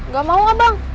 gak mau gak bang